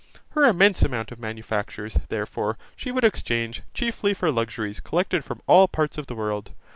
Her immense amount of manufactures, therefore, she would exchange, chiefly, for luxuries collected from all parts of the world.